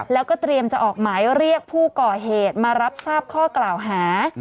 แล้วก็เตรียมจะออกหมายเรียกผู้ก่อเหตุมารับทราบข้อกล่าวหา